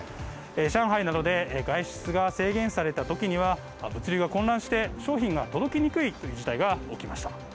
上海などで外出が制限されたときには物流が混乱して商品が届きにくい事態が起きました。